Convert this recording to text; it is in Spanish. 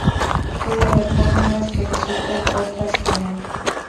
Puede haber fórmulas que resulten, otras que no.